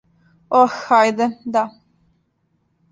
Ох, хајде, да.